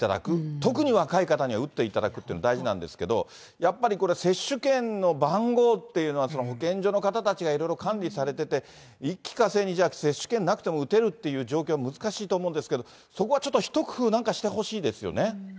特に若い方には打っていただくというのは大事なんですけど、やっぱり接種券の番号というのは、保健所の方たちがいろいろ管理されてて、一気呵成にじゃあ、接種券なくても打てるっていう状況難しいと思うんですけど、そこはちょっと一工夫、そうですね。